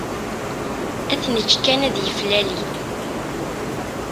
Ad t-neğğ kan ad d-iflali.